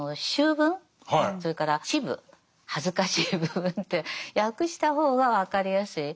それから「恥部」恥ずかしい部分って訳した方が分かりやすい。